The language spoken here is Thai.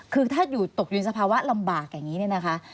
คือถ้าอยู่ตกอยู่ในสภาวะลำบากอย่างนี้เนี่ยนะคะ